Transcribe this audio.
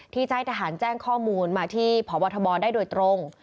ที่จะให้ทหารแจ้งข้อมูลมาที่พบทบได้โดยตรง